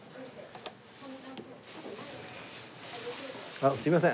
あっすいません。